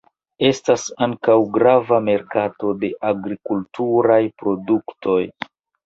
Estas ankaŭ grava merkato de agrikulturaj produktoj.